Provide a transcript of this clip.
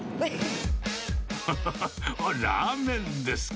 あ、ラーメンですか。